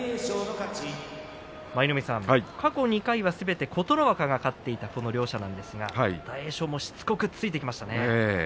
舞の海さん、過去２回はすべて琴ノ若が勝っていたこの両者なんですが大栄翔もしつこく突いていきましたね。